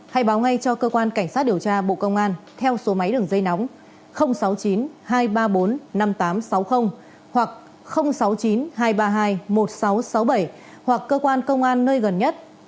hãy báo ngay cho cơ quan cảnh sát điều tra bộ công an theo số máy đường dây nóng sáu mươi chín hai trăm ba mươi bốn năm nghìn tám trăm sáu mươi hoặc sáu mươi chín hai trăm ba mươi hai một nghìn sáu trăm sáu mươi bảy hoặc cơ quan công an nơi gần nhất